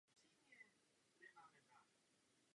Strana podporuje oddělení náboženství od státu.